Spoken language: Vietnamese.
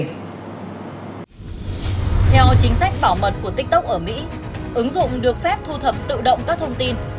theo chính sách bảo mật của tiktok ở mỹ ứng dụng được phép thu thập tự động các thông tin